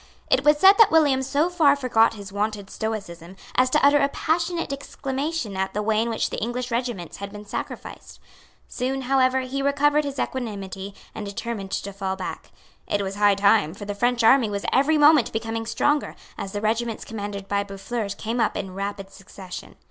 It was said that William so far forgot his wonted stoicism as to utter a passionate exclamation at the way in which the English regiments had been sacrificed. Soon, however, he recovered his equanimity, and determined to fall back. It was high time; for the French army was every moment becoming stronger, as the regiments commanded by Boufflers came up in rapid succession.